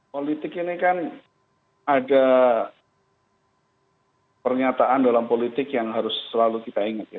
politik ini kan ada pernyataan dalam politik yang harus selalu kita ingat ya